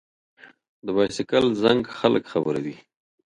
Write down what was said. د بایسکل زنګ خلک خبروي.